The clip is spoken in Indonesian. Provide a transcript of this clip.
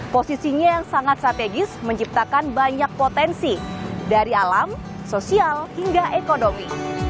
posisinya yang sangat strategis menciptakan banyak potensi dari alam sosial hingga ekonomi